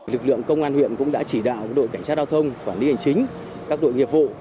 lực lượng công an huyện cũng đã chỉ đạo đội cảnh sát giao thông quản lý hành chính các đội nghiệp vụ